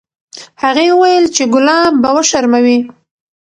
هغې وویل چې ګلاب به وشرموي.